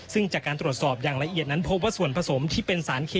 ซึ่งจากการตรวจสอบอย่างละเอียดนั้นพบว่าส่วนผสมที่เป็นสารเค